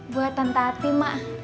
buatan tati mak